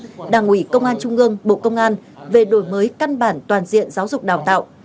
bộ trường tôn lâm đề nghị công an trung ương bộ công an về đổi mới căn bản toàn diện giáo dục đào tạo